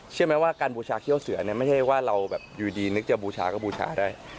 เชื่อไหมว่าการบูชาเขี้ยวเสือเนี่ยไม่ใช่ว่าเราแบบอยู่ดีนึกจะบูชาก็บูชาได้